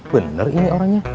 bener ini orangnya